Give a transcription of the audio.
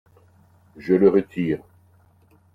Je le retire.